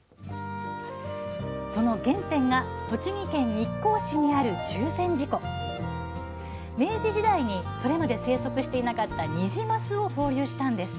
その原点が栃木県日光市にある明治時代にそれまで生息していなかったニジマスを放流したんです。